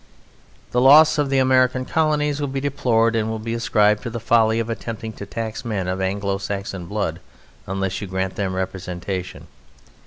The loss of the American Colonies will be deplored, and will be ascribed to the folly of attempting to tax men of "Anglo Saxon" blood, unless you grant them representation.